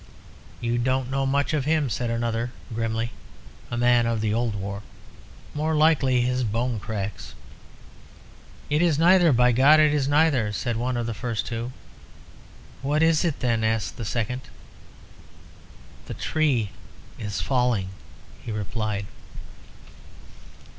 "You don't know much of him," said another, grimly (a man of the old war). "More likely his bone cracks." "It is neither by God, it is neither!" said one of the first two. "What is it, then?" asked the second. "The tree is falling," he replied.